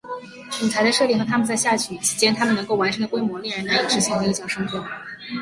舞台的设定和他们在下雨期间他们能够完成的规模令人难以置信和印象深刻。